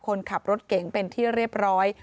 คนขับรถเก๋งเป็นที่เรียบร้อย